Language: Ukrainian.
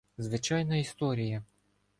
— Звичайна історія.